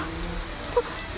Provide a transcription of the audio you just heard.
あっ！